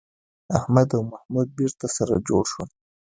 احمد او محمود بېرته سره جوړ شول.